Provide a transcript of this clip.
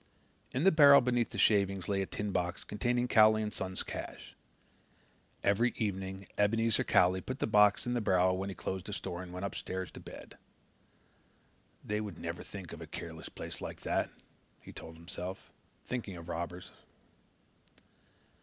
In the barrel beneath shavings lay a tin box containing Cowley & Son's cash. Every evening Ebenezer Cowley put the box in the barrel when he closed the store and went upstairs to bed. "They wouldn't never think of a careless place like that," he told himself, thinking of robbers.